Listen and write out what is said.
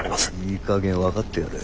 いいかげん分かってやれ。